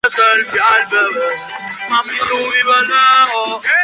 Junto con Jim Adkins, es quien escribe y compone los temas de la banda.